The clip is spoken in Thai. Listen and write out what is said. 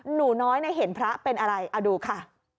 หนูน้อยเห็นพระเป็นอะไรเอาดูค่ะ